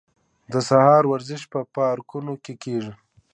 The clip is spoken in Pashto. د سهار ورزش په پارکونو کې کیږي.